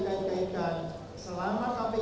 tetapi prosesnya terlalu panjang untuk pilih